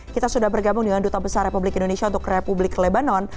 kita sudah bergabung dengan duta besar republik indonesia untuk republik lebanon